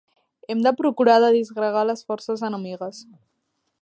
Hem de procurar de disgregar les forces enemigues.